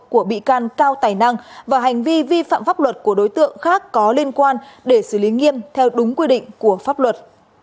của bị can cao tài năng và hành vi vi phạm pháp luật của đối tượng khác có liên quan để xử lý nghiêm theo đúng quy định của pháp luật